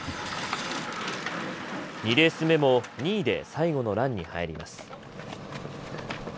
２レース目も２位で最後のランに入ります。